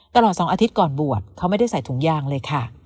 ตลอด๒อาทิตย์ก่อนบวชเขาไม่ได้ใส่ถุงยางเลยค่ะ